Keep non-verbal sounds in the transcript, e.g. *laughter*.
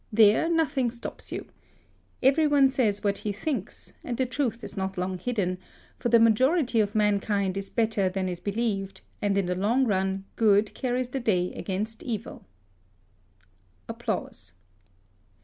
There nothing stops you. Every one says what he thinks, and the truth is not long hidden ; for the majority of mankind is bet ter than is believed, and in the long run good carries the day against evil. *applause*